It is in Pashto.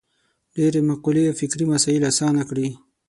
ډېرې مقولې او فکري مسایل اسانه کړي.